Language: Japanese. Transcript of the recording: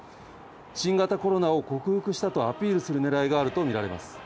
新型コロナを克服したとアピールするねらいがあると見られます。